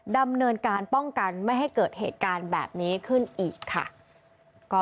ดำเนินการป้องกันไม่ให้เกิดเหตุการณ์แบบนี้ขึ้นอีกค่ะ